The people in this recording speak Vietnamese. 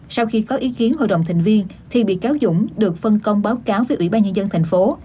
sau khi có ý kiến hội đồng thành viên thì bị cáo dũng được phân công báo cáo với ủy ban nhân dân thành phố